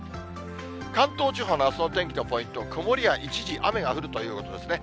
関東地方のあすの天気のポイント、曇りや一時雨が降るということですね。